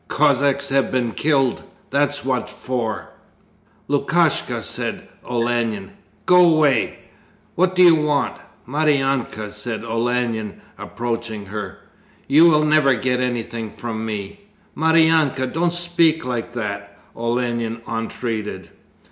'Cossacks have been killed, that's what for.' 'Lukashka?' said Olenin. 'Go away! What do you want?' 'Maryanka!' said Olenin, approaching her. 'You will never get anything from me!' 'Maryanka, don't speak like that,' Olenin entreated.